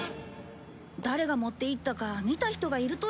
誰が持って行ったか見た人がいるといいけど。